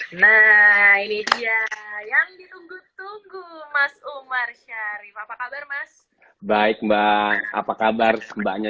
hai nah ini dia yang ditunggu tunggu mas umar syarif apa kabar mas baik mbak apa kabar banyak